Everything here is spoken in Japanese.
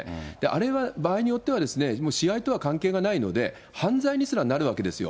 あれは場合によってはですね、もう試合とは関係がないので、犯罪にすらなるわけですよ。